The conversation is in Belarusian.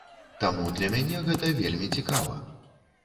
Таму для мяне гэта вельмі цікава.